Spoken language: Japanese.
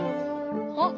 あっ！